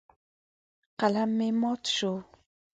قلم مې مات شو.